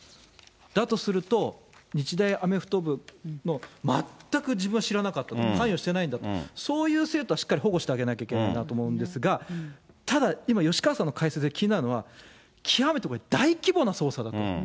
だとすると、日大アメフト部の、全く自分は知らなかったと、関与してないんだと、そういう生徒はしっかり保護してあげなきゃいけないなと思うんですが、ただ、今、吉川さんの解説で気になるのは、極めてこれ、大規模な捜査だと。